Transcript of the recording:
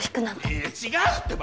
いや違うってば！